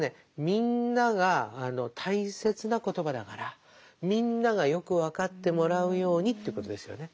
みんなが大切な言葉だからみんながよく分かってもらうようにということですよね。